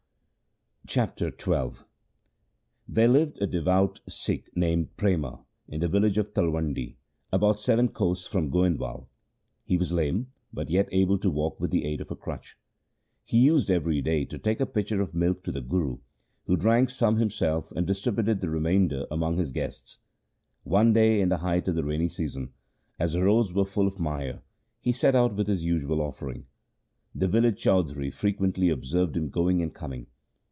Chapter XII There lived a devout Sikh named Prema in the village of Talwandi, 1 about seven kos from Goindwal. He was lame, but yet able to walk with the aid of a crutch. He used every day to take a pitcher of milk to the Guru, who drank some himself, and distributed the remainder among his guests. One day in the height of the rainy season, as the roads were full of mire, he set out with his usual offering. The village chaudhri frequently observed him going and coming.